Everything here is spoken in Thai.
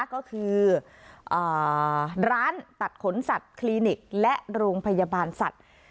ก็คือร้านตัดขนสัตว์คลินิกและโรงพยาบาลสัตว์